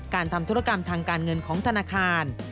ทำธุรกรรมทางการเงินของธนาคาร